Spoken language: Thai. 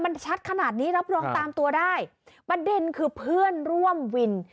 มันชัดขนาดนี้รับรองตามตัวได้ประเด็นคือเพื่อนร่วมวิน